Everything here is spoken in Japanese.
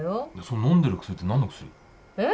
のんでる薬って何の薬？え？